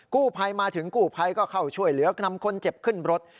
กู้ภัยมาถึงกู้ภัยก็เข้าช่วยเหลือนำคนเจ็บขึ้นรถ